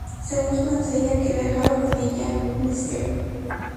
Según su doncella, que viajaba con ella, Mrs.